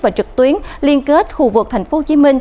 và trực tuyến liên kết khu vực tp hcm